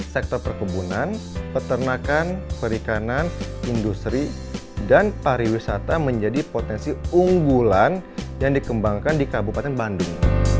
sektor perkebunan peternakan perikanan industri dan pariwisata menjadi potensi unggulan yang dikembangkan di kabupaten bandung